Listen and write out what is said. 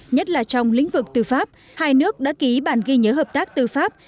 nhất là trong lĩnh vực tư pháp hai nước đã ký bản ghi nhớ hợp tác tư pháp